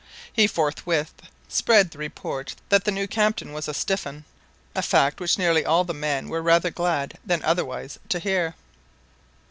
He forthwith spread the report that the new captain was a "stiff un," a fact which nearly all the men were rather glad than otherwise to hear.